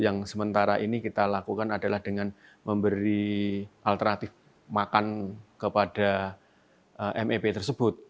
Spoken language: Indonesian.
yang sementara ini kita lakukan adalah dengan memberi alternatif makan kepada mep tersebut